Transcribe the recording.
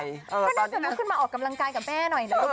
ก็ได้จะนึกขึ้นมาออกกำลังกายกับแม่หน่อยหรือน้ำนะ